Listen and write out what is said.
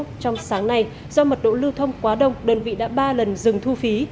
trong sáng nay do mật độ lưu thông quá đông đơn vị đã ba lần dừng thu phí